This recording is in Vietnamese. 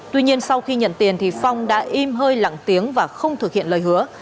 tuy nhiên sau khi nhận tiền thì phong đã im hơi lặng tiếng và không thực hiện lời hứa